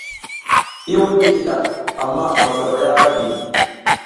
I wuɗ i di ɗaf, amma masafaya ara giy.